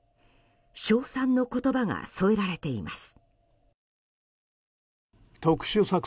称賛の言葉が添えられています。